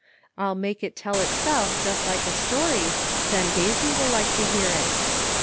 I'll make it tell itself like a storj" , then Daisy will like to hear it.